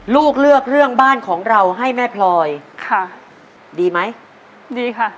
ลูกเลือกเรื่องบ้านของเราให้แม่พลอยค่ะดีไหมดีค่ะ